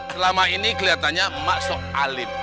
selama ini kelihatannya mak sok alim